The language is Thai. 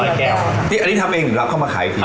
อันนี้ทำเองถึงรับเข้ามาขายอีกที